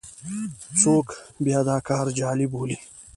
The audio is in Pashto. څوک بیا دا کار جعل بولي.